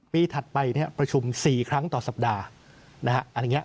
ปีถัดไปเนี่ยประชุม๔ครั้งต่อสัปดาห์